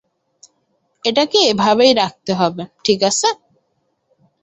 এটাকে এভাবেই রাখতে হবে, ঠিক আছে?